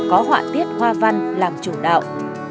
có họa tiết hoa văn làm chủ đạo